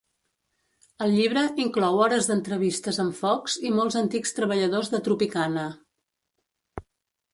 El llibre inclou hores d'entrevistes amb Fox i molts antics treballadors de Tropicana.